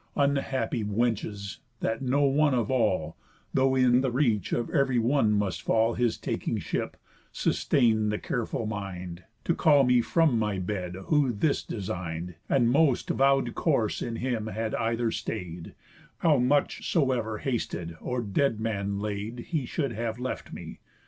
Unhappy wenches, that no one of all (Though in the reach of ev'ry one must fall His taking ship) sustain'd the careful mind, To call me from my bed, who this design'd And most vow'd course in him had either stay'd, How much soever hasted, or dead laid He should have left me.